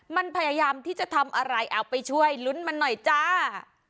มันพยายามที่จะทำอะไรเอาไปช่วยลุ้นมันหน่อยจ้า